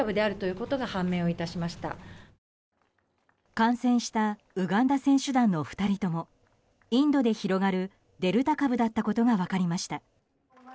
感染したウガンダ選手団の２人ともインドで広がるデルタ株だったことが分かりました。